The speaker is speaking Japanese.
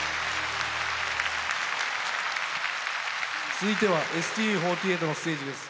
続いてはＳＴＵ４８のステージです。